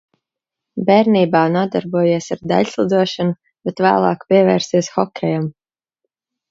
Bērnībā nodarbojies ar daiļslidošanu, bet vēlāk pievērsies hokejam.